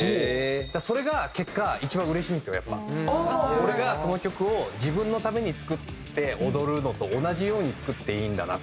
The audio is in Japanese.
俺がその曲を自分のために作って踊るのと同じように作っていいんだなって。